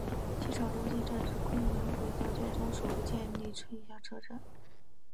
机场中心站是昆明轨道交通首个建成地下车站。